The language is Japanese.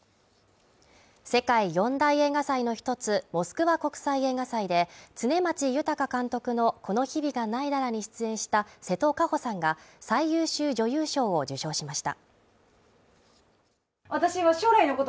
世界４大映画祭の一つ、モスクワ国際映画祭で常間地裕監督の「この日々が凪いだら」に出演した瀬戸かほさんが最優秀女優賞を受賞しました。